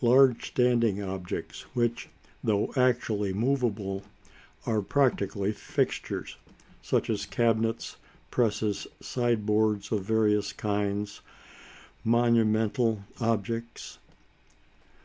Large standing objects which, though actually movable, are practically fixtures, such as cabinets, presses, sideboards of various kinds; monumental objects.